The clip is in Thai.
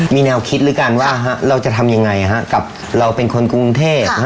มีแนวคิดหรือกันว่าเราจะทำยังไงกับเราเป็นคนกรุงเทพ